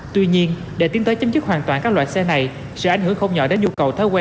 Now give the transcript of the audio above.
tuy nhiên để tiến tới chấm dứt hoàn toàn các loại xe này sẽ ảnh hưởng không nhỏ đến nhu cầu thói quen